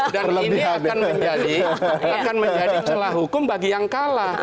dan ini akan menjadi celah hukum bagi yang kalah